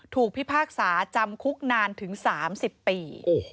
พิพากษาจำคุกนานถึง๓๐ปี